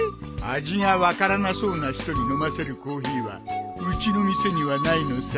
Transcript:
味が分からなそうな人に飲ませるコーヒーはうちの店にはないのさ。